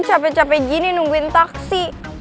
capek capek gini nungguin taksi